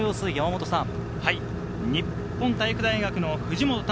日本体育大学の藤本珠